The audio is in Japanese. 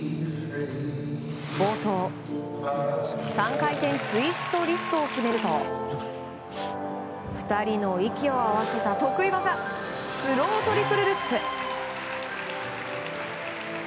冒頭３回転ツイストリフトを決めると２人の息を合わせた得意技スロートリプルルッツ。